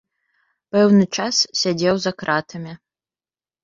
Пэўны час сядзеў за кратамі.